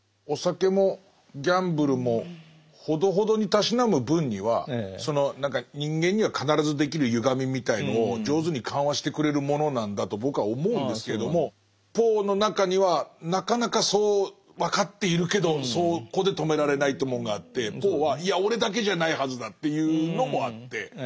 お酒もギャンブルもほどほどにたしなむ分には何か人間には必ずできるゆがみみたいのを上手に緩和してくれるものなんだと僕は思うんですけどもポーの中にはなかなかそう分かっているけどそこで止められないってもんがあってポーはいや俺だけじゃないはずだっていうのもあって。